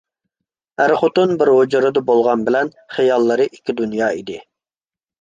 ئەر-خوتۇن بىر ھۇجرىدا بولغان بىلەن خىياللىرى ئىككى دۇنيا ئىدى.